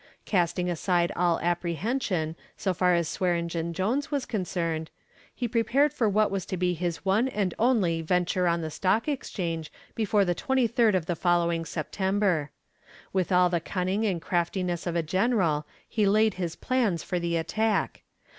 Casting aside all apprehension, so far as Swearengen Jones was concerned, he prepared for what was to be his one and only venture on the Stock Exchange before the 23d of the following September. With all the cunning and craftiness of a general he laid his plans for the attack.